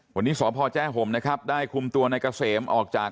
วันนี้สพแจ้ห่มนะครับได้คุมตัวนายเกษมออกจาก